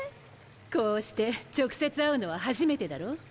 こうして直接会うのは初めてだろ？